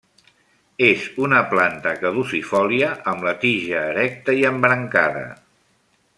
És una planta caducifòlia amb la tija erecta i embrancada.